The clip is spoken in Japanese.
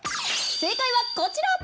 正解はこちら！